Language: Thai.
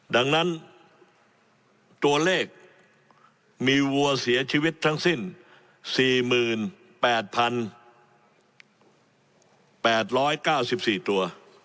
ดังนั้นตัวเลขมีวัวเสียชีวิตทั้งสิ้น๔๘๘๙๔ตัว